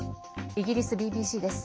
イギリスＢＢＣです。